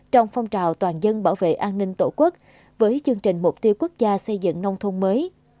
trong phong trào toàn dân bảo vệ an ninh tổ quốc với chương trình mục tiêu quốc gia xây dựng nông thôn mới